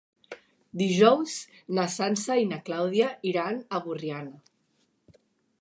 Dijous na Sança i na Clàudia iran a Borriana.